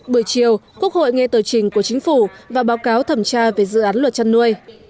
buổi chiều quốc hội nghe tờ trình của chính phủ và báo cáo thẩm tra về dự án luật chăn nuôi